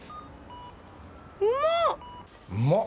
うまっ！